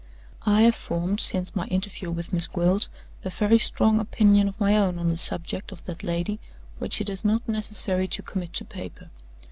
I have formed, since my interview with Miss Gwilt, a very strong opinion of my own on the subject of that lady which it is not necessary to commit to paper.